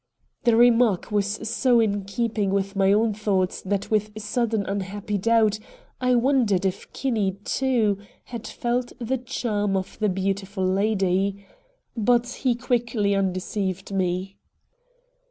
The remark was so in keeping with my own thoughts that with sudden unhappy doubt I wondered if Kinney, too, had felt the charm of the beautiful lady. But he quickly undeceived me.